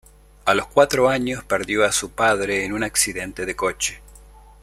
A los cuatro años perdió a su padre en un accidente de coche.